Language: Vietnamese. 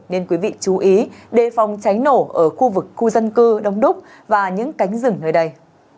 nên quý vị chú ý đề phòng cháy nổ ở khu vực khu dân cư đông đúc và những cánh rừng nơi đây